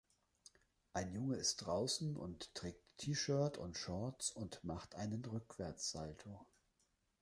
Ein Junge ist draußen und trägt T-Shirt und Shorts und mach einen Rückwärtssalto.